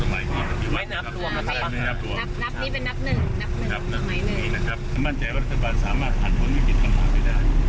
มั่นใจวัฒนบาลสามารถผ่านพ้นวิกฤตภัณฑ์ไปได้